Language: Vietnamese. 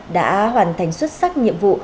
đã hoàn thành xuất sắc nhiệm vụ